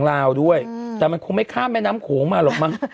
ลาวด้วยแต่มันคงไม่ข้ามแม่น้ำโขงมาหรอกมั้ง